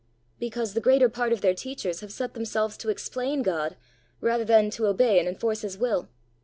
"Because the greater part of their teachers have set themselves to explain God rather than to obey and enforce his will.